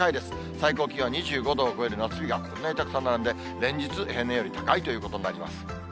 最高気温２５度を超える夏日がこんなにたくさん並んで、連日、平年より高いということになります。